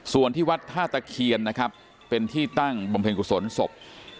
ส่วนที่วัดท่าตะเคียนนะครับเป็นที่ตั้งบำเพ็ญกุศลศพ